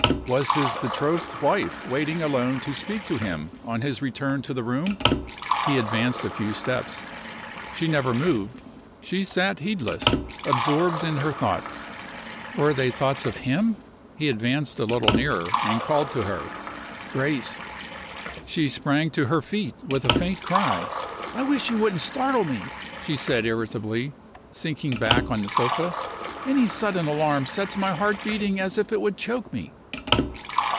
Was his betrothed wife waiting alone to speak to him on his return to the room? He advanced a few steps. She never moved; she sat heedless, absorbed in her thoughts. Were they thoughts of him? He advanced a little nearer, and called to her. "Grace!" She sprang to her feet, with a faint cry. "I wish you wouldn't startle me," she said, irritably, sinking back on the sofa. "Any sudden alarm sets my heart beating as if it would choke me."